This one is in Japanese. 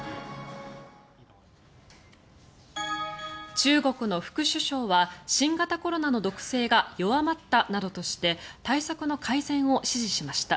中国の副首相は新型コロナの毒性が弱まったなどとして対策の改善を指示しました。